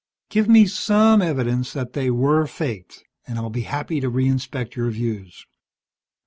"Give me some evidence that they were faked, and I'll be happy to reinspect your views."